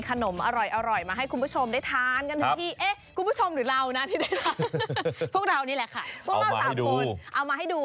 ขนมอร่อยอร่อยมาให้คุณผู้ชมได้ทานนี้ครับพี่กุมรับมาให้ดูเอามาให้ดู